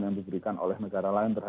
yang diberikan oleh negara lain